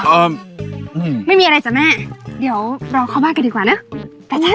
เอ่อไม่มีอะไรจ้ะแม่เดี๋ยวเราเข้าบ้านกันดีกว่านะ